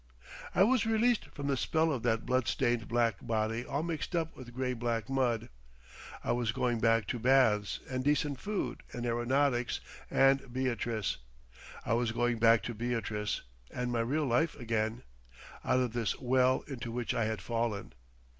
I was released from the spell of that bloodstained black body all mixed up with grey black mud. I was going back to baths and decent food and aeronautics and Beatrice. I was going back to Beatrice and my real life again—out of this well into which I had fallen.